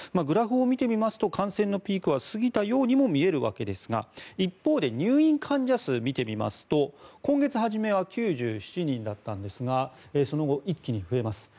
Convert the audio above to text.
グラフを見てみますと感染のピークは過ぎたようにも見えるわけですが一方で入院患者数を見てみますと今月初めは９７人だったんですがその後、一気に増えます。